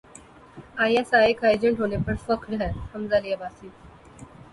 I S I کا agent ہونے پر فخر ہے حمزہ علی عباسی